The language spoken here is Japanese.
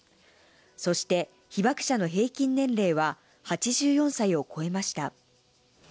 そして被爆者の平均年齢は８４歳を超えました。